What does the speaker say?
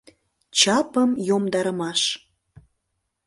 “ЧАПЫМ ЙОМДАРЫМАШ”